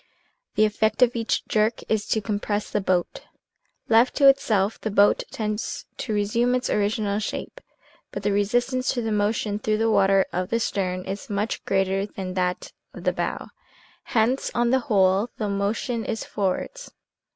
" The effect of each jerk is to compress the boat. Left to itself the boat tends to resume its original shape, but the resistance to the motion through the water of the stern is much greater than that of the bow, hence, on the whole, the motion is forwards.